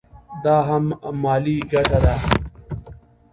دا هم مالي ګټه ده.